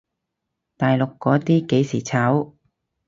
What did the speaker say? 大陸嗰啲幾時炒？